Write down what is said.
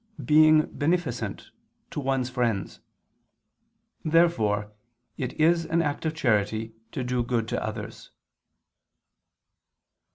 being beneficent, "to one's friends." Therefore it is an act of charity to do good to others.